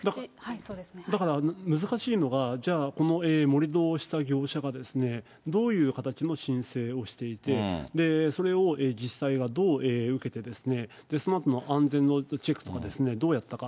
だから、難しいのが、じゃあ、この盛り土をした業者が、どういう形の申請をしていて、それを実際、どう受けて、そのあとの安全のチェックとか、どうやったか。